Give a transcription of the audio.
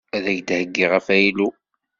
Ad ak-d-heyyiɣ afaylu.